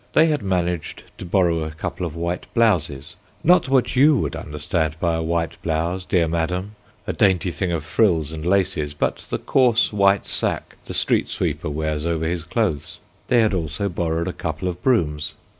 They had managed to borrow a couple of white blouses—not what you would understand by a white blouse, dear Madame, a dainty thing of frills and laces, but the coarse white sack the street sweeper wears over his clothes. They had also borrowed a couple of brooms.